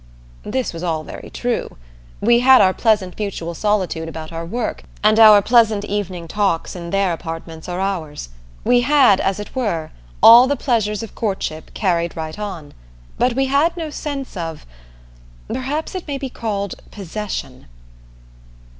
This was all very true. We had our pleasant mutual solitude about our work, and our pleasant evening talks in their apartments or ours; we had, as it were, all the pleasures of courtship carried right on; but we had no sense of perhaps it may be called possession.